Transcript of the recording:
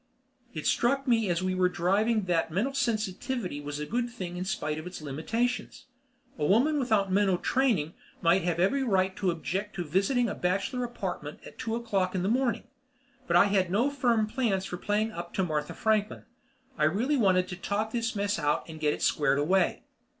It struck me as we were driving that mental sensitivity was a good thing in spite of its limitations. A woman without mental training might have every right to object to visiting a bachelor apartment at two o'clock in the morning. But I had no firm plans for playing up to Martha Franklin; I really wanted to talk this mess out and get it squared away.